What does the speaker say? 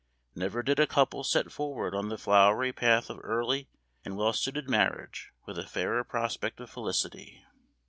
Never did a couple set forward on the flowery path of early and well suited marriage with a fairer prospect of felicity.